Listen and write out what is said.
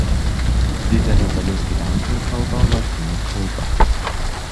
Didelė dalis gyventojų kalba ladinų kalba.